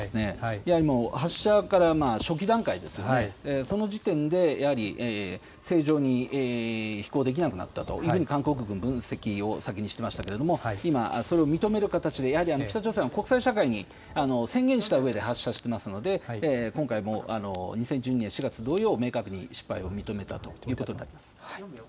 やはり発射から、初期段階ですよね、その時点で、やはり正常に飛行できなくなったというふうに、韓国軍、分析を先にしてましたけれども、今、それを認める形で、やはり北朝鮮は国際社会に宣言したうえで発射してますので、今回も２０１２年４月同様、明確に失敗を認めたということになります。